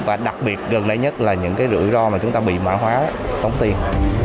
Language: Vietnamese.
và đặc biệt gần đây nhất là những rủi ro mà chúng ta bị mã hóa tốn tiền